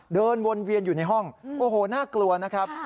เดินวนเวียนอยู่ในห้องโอ้โหน่ากลัวนะครับ